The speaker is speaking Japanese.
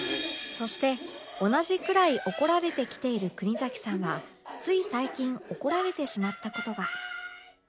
そして同じくらい怒られてきている国崎さんはつい最近怒られてしまった事が